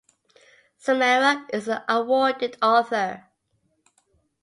Samarah is the awarded author.